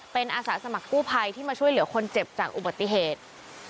เป็นอาสาสมัครกู้ภัยที่มาช่วยเหลือคนเจ็บจากอุบัติเหตุ